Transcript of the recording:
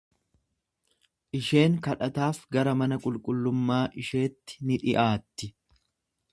Isheen kadhataaf gara mana qulqullummaa isheetti ni dhi'aatti.